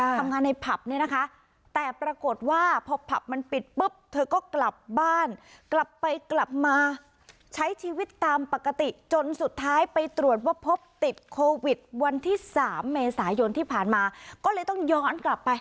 ทำงานในผับเนี้ยนะคะแต่ปรากฏว่าพอผับมันปิดปุ๊บ